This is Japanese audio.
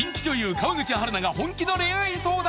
川口春奈が本気の恋愛相談